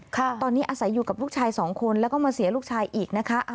ตอนนี้อาศัยอยู่กับลูกชายสองคนแล้วก็มาเสียลูกชายอีกนะคะ